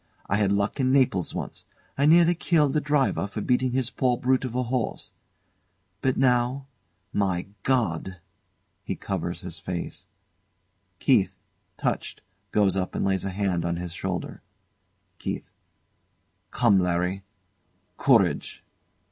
I had luck in Naples once. I nearly killed a driver for beating his poor brute of a horse. But now ! My God! [He covers his face.] KEITH touched, goes up and lays a hand on his shoulder. KEITH. Come, Larry! Courage!